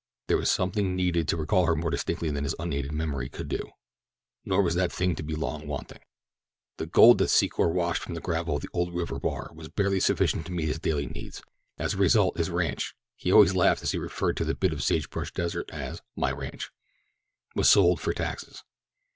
There was something needed to recall her more distinctly than his unaided memory could do—nor was that thing to be long wanting. The gold that Secor washed from the gravel of the old river bar was barely sufficient to meet his daily needs. As a result his ranch—he always laughed as he referred to the bit of sage brush desert as "my ranch"—was sold for taxes.